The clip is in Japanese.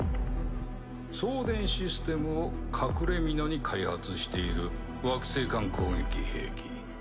送電システムを隠れみのに開発している惑星間攻撃兵器